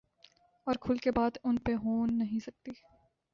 اورکھل کے بات ان پہ ہو نہیں سکتی۔